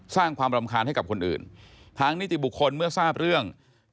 สร้างความร่ำคาญให้คนอื่น